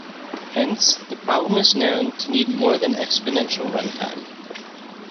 Hence, the problem is known to need more than exponential run time.